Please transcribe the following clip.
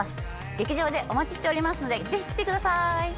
劇場でお待ちしておりますのでぜひ来てください！